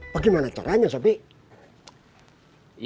bagaimana caranya sopi